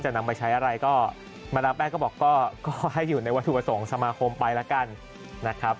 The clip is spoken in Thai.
นำไปใช้อะไรก็มาดามแป้งก็บอกก็ให้อยู่ในวัตถุประสงค์สมาคมไปแล้วกันนะครับ